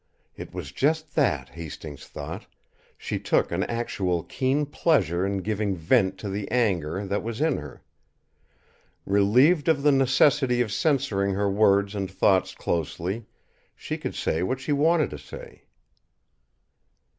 It was just that, Hastings thought; she took an actual, keen pleasure in giving vent to the anger that was in her. Relieved of the necessity of censoring her words and thoughts closely, she could say what she wanted to say.